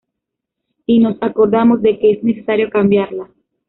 y nos acordamos de que es necesario cambiarla